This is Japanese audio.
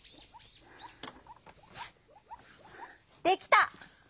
できた！